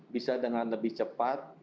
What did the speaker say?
bisa dengan lebih cepat